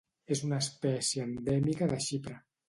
És una espècie endèmica de Xipre.